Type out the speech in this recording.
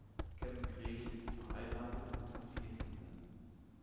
Kevin Kregel ist verheiratet und hat vier Kinder.